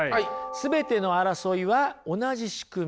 「全ての争いは同じ仕組み」